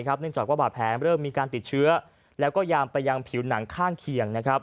เนื่องจากว่าบาดแผลเริ่มมีการติดเชื้อแล้วก็ยามไปยังผิวหนังข้างเคียง